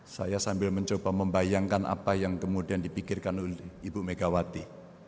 saya sambil mencoba membayangkan apa yang kemudian dipikirkan ibu megawati